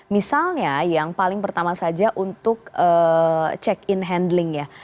misalnya yang paling pertama saja untuk check in handling ya